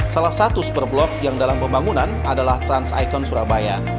salah satu super blok yang dalam pembangunan adalah trans icon surabaya